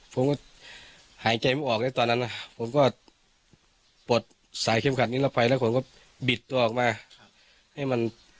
ผมก็หายใจไม่ออกไงตอนนั้นอ่ะผมก็ปลดสายเคลียมขัดนิรภัยแล้วผมก็บิดตัวออกมา